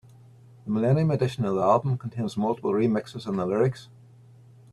The millennium edition of the album contains multiple remixes and the lyrics.